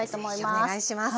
ぜひお願いします。